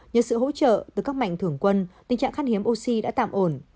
như sự hỗ trợ từ các mạnh thưởng quân tình trạng khát hiếm oxy đã tạm ổn